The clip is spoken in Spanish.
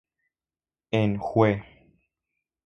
En Jue.